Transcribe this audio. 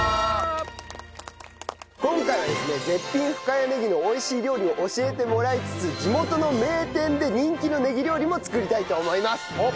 今回はですね絶品深谷ねぎの美味しい料理を教えてもらいつつ地元の名店で人気のねぎ料理も作りたいと思います。